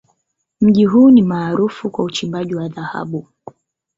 Mji huu ni maarufu kwa uchimbaji wa dhahabu.